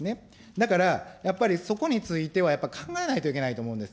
だから、やっぱり、そこについてはやっぱ考えなきゃいけないと思うんです。